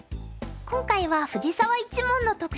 今回は藤澤一門の特集です。